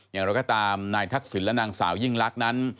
อย่างไรก็ตามนายทักษิณและนางสาวยิ่งลักษณ์นั้น